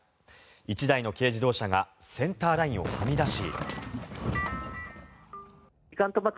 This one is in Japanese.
１台の軽自動車がセンターラインをはみ出し。